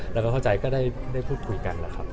แล้วก็เข้าใจก็ได้พูดคุยกันแล้วครับ